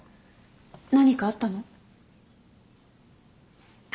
何かあったの？